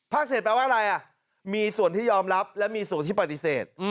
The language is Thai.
เสร็จแปลว่าอะไรมีส่วนที่ยอมรับและมีส่วนที่ปฏิเสธ